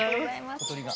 小鳥が。